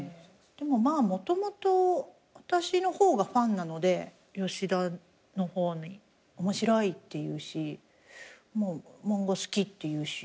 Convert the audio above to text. でもまあもともと私の方がファンなので吉田の方に面白いって言うし漫画好きって言うし。